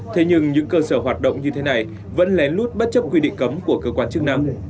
thế nhưng những cơ sở hoạt động như thế này vẫn lén lút bất chấp quy định cấm của cơ quan chức năng